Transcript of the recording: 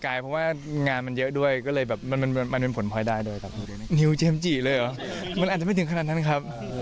คาดหวังกับการคืนกำไรครั้งหน้า